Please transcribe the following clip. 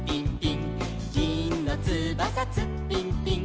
「ぎんのつばさツッピンピン」